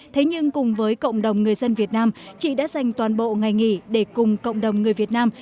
thế nhưng cùng với cộng đồng người dân việt nam chị đã dành toàn bộ ngày nghỉ để cùng cộng đồng người việt nam